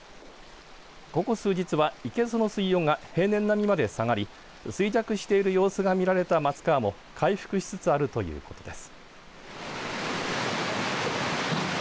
ここ数日は生けすの水温が平年並みまで下がり衰弱している様子が見られたマツカワも回復しつつあるということです。